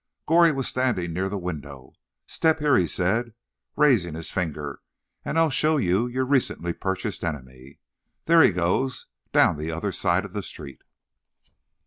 Goree was standing near the window. "Step here," he said, raising his finger, "and I'll show you your recently purchased enemy. There he goes, down the other side of the street."